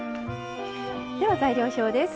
では材料表です。